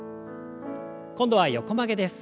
今度は横曲げです。